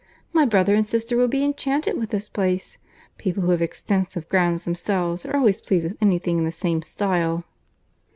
My brother and sister will be enchanted with this place. People who have extensive grounds themselves are always pleased with any thing in the same style."